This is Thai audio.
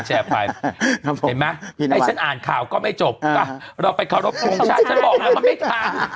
ให้ฉันอ่านข่าวก็ไม่จบเพราะเราไปขอโทษตรงชั้นฉันบอกทำไม่ความ